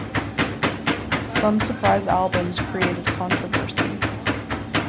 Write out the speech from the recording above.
Some surprise albums created controversy.